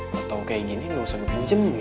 mau tau kayak gini gausah gue pinjem lo mie